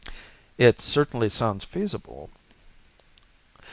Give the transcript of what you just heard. "It certainly sounds feasible."